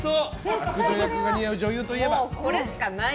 悪女役が似合う女優といえば？